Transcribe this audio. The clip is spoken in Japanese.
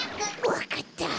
わかった！